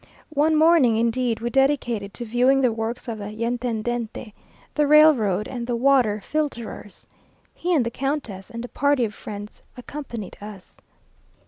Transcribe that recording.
One morning, indeed, we dedicated to viewing the works of the Yntendente, the railroad, and the water filterers. He and the Countess, and a party of friends, accompanied us.